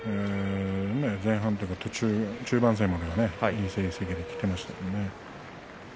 中盤まではいい成績できていましたよね。